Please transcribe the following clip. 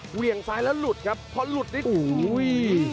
เหวี่ยงซ้ายแล้วหลุดครับเพราะหลุดนิดหนึ่ง